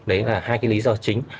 đấy là hai cái lý do chính